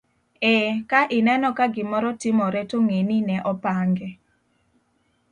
Ee, ka ineno ka gimoro timore to ng'e ni ne opange.